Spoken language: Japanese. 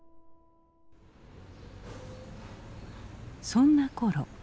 そんなころ